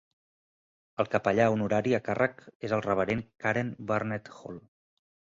El capellà honorari a càrrec és el reverend Karen Burnett-Hall.